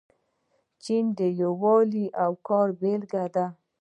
چین د یووالي او کار بیلګه ده.